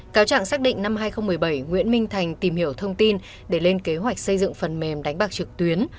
cáo trạng xác định năm hai nghìn một mươi bảy nguyễn minh thành tìm hiểu thông tin để lên kế hoạch xây dựng phần mềm đánh bạc trực tuyến